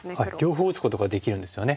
両方打つことができるんですよね。